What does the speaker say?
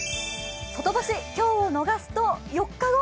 外干し、今日を逃すと４日後。